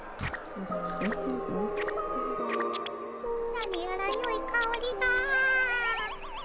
何やらよいかおりが。